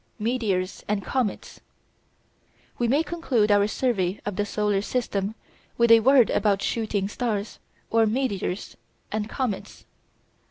METEORS AND COMETS We may conclude our survey of the solar system with a word about "shooting stars," or meteors, and comets.